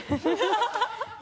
ハハハ